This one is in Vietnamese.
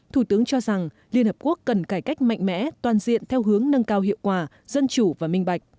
thủ tướng cho rằng liên hợp quốc cần cải cách mạnh mẽ toàn diện theo hướng nâng cao hiệu quả dân chủ và minh bạch